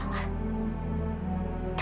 kamu malah menolak perjodohan ini